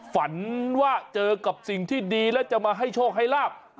ฝันว่าเจอกับสิ่งที่ดีแล้วจะมาให้โชคให้ลาบ